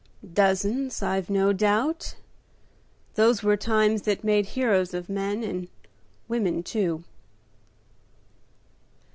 "Dozens, I've no doubt. Those were times that made heroes of men, and women, too."